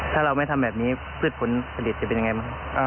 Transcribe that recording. ถ้าเราไม่ทำแบบนี้พืชผลผลิตจะเป็นยังไงบ้าง